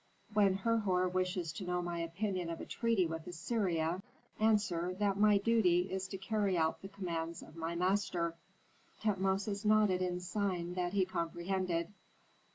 "When Herhor wishes to know my opinion of a treaty with Assyria, answer that my duty is to carry out the commands of my master." Tutmosis nodded in sign that he comprehended.